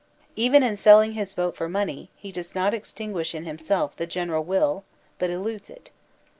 Even in selling his vote for money, he does not extinguish in himself the general will, but eludes it.